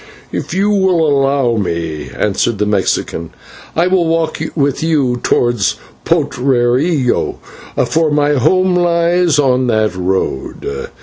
"If you will allow me," answered the Mexican, "I will walk with you towards Potrerillo, for my home lies on that road.